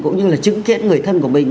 cũng như là chứng kiến người thân của mình